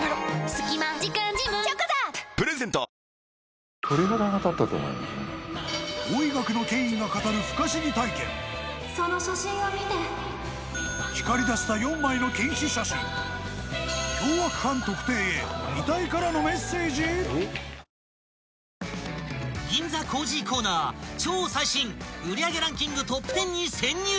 帰れば「金麦」［銀座コージーコーナー超最新売上ランキングトップ１０に潜入］